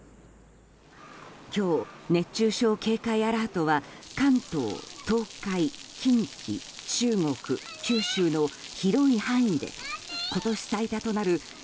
今日、熱中症警戒アラートは関東、東海、近畿、中国、九州の広い範囲で今年最多となる２６